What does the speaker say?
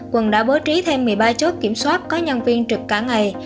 quận đã bố trí thêm một mươi ba chốt kiểm soát có nhân viên trực cả ngày